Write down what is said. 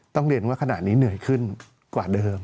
ต้องเรียนว่าขณะนี้เหนื่อยขึ้นกว่าเดิม